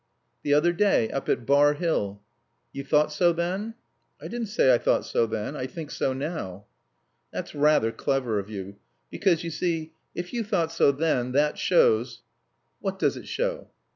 "The other day. Up at Bar Hill." "You thought so then?" "I didn't say I thought so then. I think so now." "That's rather clever of you. Because, you see, if you thought so then that shows " "What does it show?"